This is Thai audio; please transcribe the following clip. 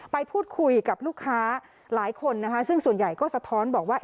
ไปพูดคุยกับลูกค้าหลายคนนะคะซึ่งส่วนใหญ่ก็สะท้อนบอกว่า